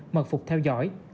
mật phục theo dõi